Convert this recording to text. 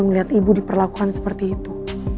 melihat ibu diperlakukan seperti itu